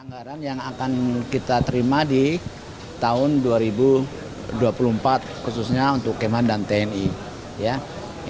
anggaran yang akan kita terima di tahun dua ribu dua puluh empat khususnya untuk kema dan tni